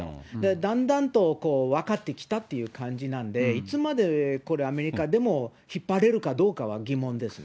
だんだんと分かってきたという感じなんで、いつまでこれ、アメリカでも引っ張れるかどうかは疑問ですね。